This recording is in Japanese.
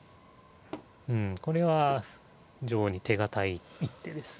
うんこれは非常に手堅い一手です。